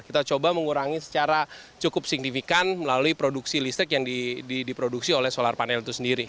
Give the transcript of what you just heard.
kita coba mengurangi secara cukup signifikan melalui produksi listrik yang diproduksi oleh solar panel itu sendiri